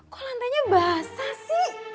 kok lantainya basah sih